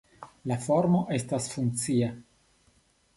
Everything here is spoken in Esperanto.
La formo estas funkcia.